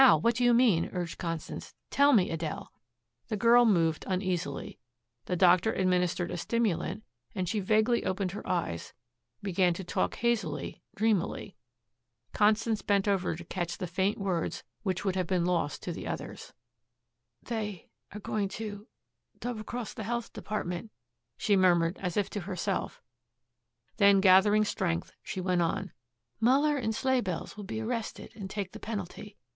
What do you mean?" urged Constance. "Tell me, Adele." The girl moved uneasily. The doctor administered a stimulant and she vaguely opened her eyes, began to talk hazily, dreamily. Constance bent over to catch the faint words which would have been lost to the others. "They are going to double cross the Health Department," she murmured as if to herself, then gathering strength she went on, "Muller and Sleighbells will be arrested and take the penalty.